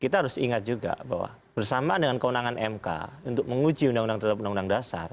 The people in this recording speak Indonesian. kita harus ingat juga bahwa bersamaan dengan kewenangan mk untuk menguji undang undang terhadap undang undang dasar